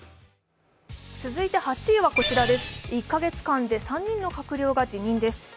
続いて８位はこちら、１か月間で３人の閣僚が辞任です。